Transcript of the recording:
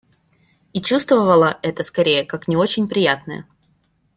И чувствовала это скорее как не очень приятное.